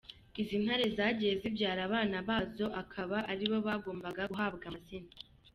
Izi Ntare zagiye zibyara, abana bazo akaba aribo bagombaga guhabwa amazina.